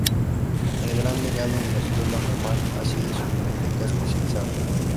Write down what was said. El gran legado de la Escuela Normal ha sido su Biblioteca especializada.